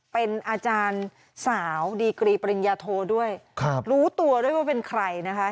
เป็นอาจารย์สาวดีกรีปริญญาโทด้วยครับรู้ตัวด้วยว่าเป็นใครนะคะ